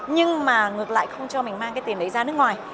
nhưng mà ngược lại không cho mình mang cái tiền đấy ra nước ngoài